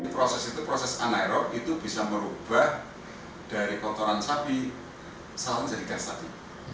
proses itu proses anaerok itu bisa merubah dari kotoran sapi salam jadi gas tadi